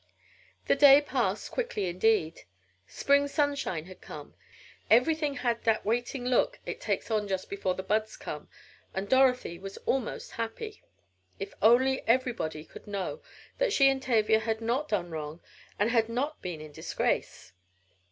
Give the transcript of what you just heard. The day passed quickly indeed. Spring sunshine had come, everything had that waiting look it takes on just before the buds come, and Dorothy was almost happy. If only everybody could know that she and Tavia had not done wrong and had not been in disgrace!